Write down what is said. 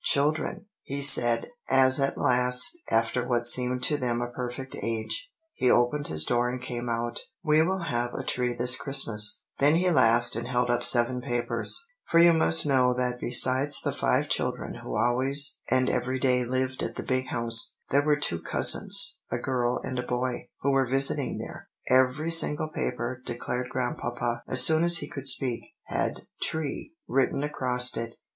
] "'Children,' he said, as at last, after what seemed to them a perfect age, he opened his door and came out, 'we will have a tree this Christmas'; then he laughed, and held up seven papers for you must know that besides the five children who always and every day lived at the Big House, there were two cousins, a girl and a boy, who were visiting there. 'Every single paper,' declared Grandpapa, as soon as he could speak, 'had "Tree" written across it.